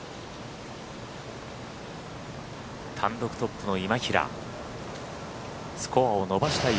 単独トップの今平スコアを伸ばしたい